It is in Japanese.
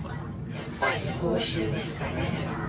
やっぱり報酬ですかね。